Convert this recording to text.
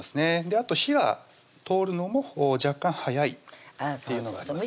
あと火が通るのも若干早いっていうのがあります